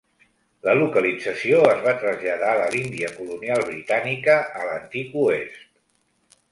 La localització es va traslladar de l'Índia colonial britànica a l'antic Oest.